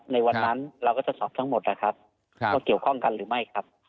ในวันนั้นเราก็จะสอบทั้งหมดนะครับว่าเกี่ยวข้องกันหรือไม่ครับ